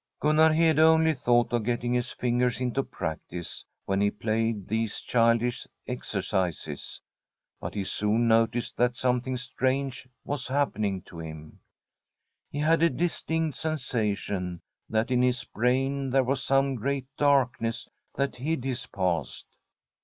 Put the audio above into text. Gunnar Hede only thought of getting his fin gers into practice when he played these childish exercises. But he soon noticed that something strange was happening to him. He had a distinct sensation that in his brain there was some great darkness that hid his past.